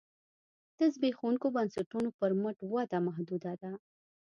د زبېښونکو بنسټونو پر مټ وده محدوده ده